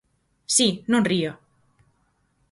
Si, non ría.